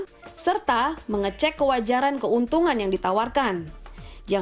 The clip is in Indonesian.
nah selain memahami instrumen crypto sebaiknya anda melakukan pengecekan dari legalitas perusahaan atau pedagang